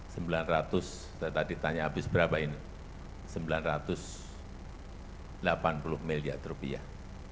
saya tadi tanya habis berapa ini sembilan ratus delapan puluh miliar rupiah